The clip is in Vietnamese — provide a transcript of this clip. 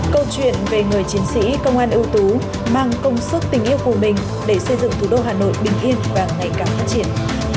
câu chuyện về người chiến sĩ công an ưu tú mang công sức tình yêu của mình để xây dựng thủ đô hà nội bình yên và ngày càng phát triển